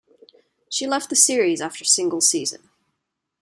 She left the series after single season.